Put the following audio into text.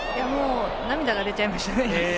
涙が出ちゃいましたね。